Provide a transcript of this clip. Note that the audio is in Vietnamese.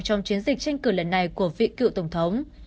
trong chiến dịch tranh cử lần này của vị cựu tổng thống